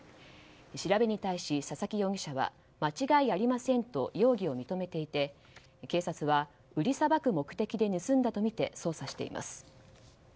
調べに対し、佐々木容疑者は間違いありませんと容疑を認めていて警察は売りさばく目的で盗んだとみて捜査しています。